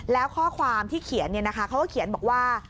แล้วข้อความที่เขียนเขาก็เขียนบอกว่า